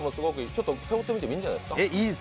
ちょっと触ってみてもいいんじゃないですか。